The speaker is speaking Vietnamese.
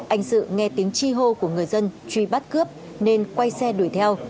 anh sự nghe tiếng chi hô của người dân truy bắt cướp nên quay xe đuổi theo